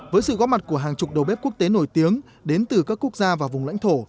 với sự góp mặt của hàng chục đầu bếp quốc tế nổi tiếng đến từ các quốc gia và vùng lãnh thổ